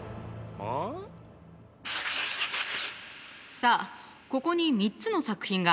さあここに３つの作品があります。